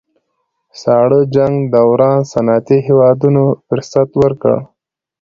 ساړه جنګ دوران صنعتي هېوادونو فرصت ورکړ